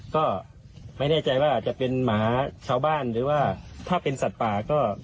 ก็ไม่แน่ใจว่าอาจจะเป็นหมาชาวบ้านหรือว่าถ้าเป็นสัตว์ป่าก็